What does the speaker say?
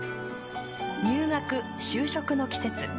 入学、就職の季節。